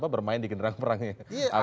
bermain di genderang perangnya